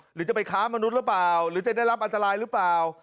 หรือจะไปค้ามนุษย์หรือเปล่าหรือจะได้รับอันตรายหรือเปล่า